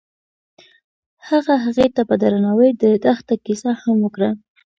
هغه هغې ته په درناوي د دښته کیسه هم وکړه.